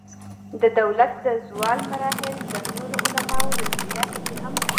د دولت د زوال مراحل د نورو علماؤ نظریاتو کي هم سته.